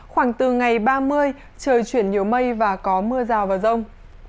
khoảng từ ngày ba mươi trời chuyển nhiều mây và có mưa rào và rông